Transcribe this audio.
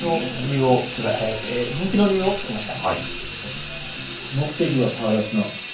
人気の理由を聞きました。